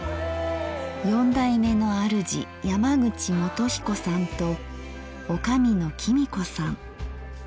四代目のあるじ山口元彦さんと女将の公子さん。